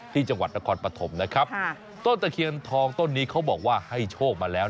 ที่จังหวัดนครปฐมนะครับต้นตะเคียนทองต้นนี้เขาบอกว่าให้โชคมาแล้ว